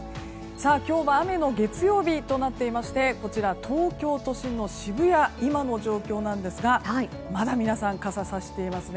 今日は雨の月曜日となっていましてこちら、東京都心の渋谷の今の状況なんですがまだ皆さん傘をさしていますね。